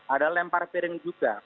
ada lempar piring juga